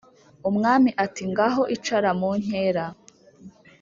umwami ati"ngaho icara munkera"